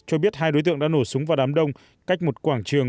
cho biết hai đối tượng đã nổ súng vào đám đông cách một quảng trường